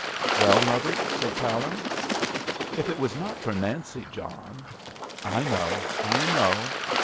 "Well, mother?" said Clallam. "If it was not for Nancy, John " "I know, I know.